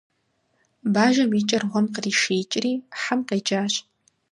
- Бажэм и кӏэр гъуэм къришиикӏри, хьэм къеджащ.